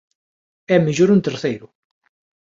É mellor un terceiro.